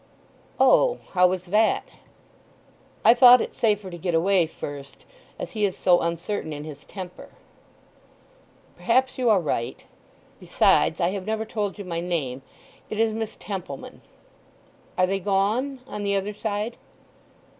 "O—how was that?" "I thought it safer to get away first—as he is so uncertain in his temper." "Perhaps you are right.... Besides, I have never told you my name. It is Miss Templeman.... Are they gone—on the other side?"